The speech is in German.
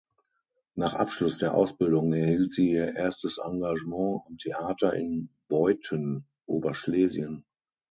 Nach Abschluss der Ausbildung erhielt sie ihr erstes Engagement am Theater in Beuthen (Oberschlesien).